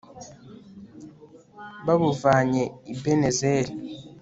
babuvanye i ebenezeri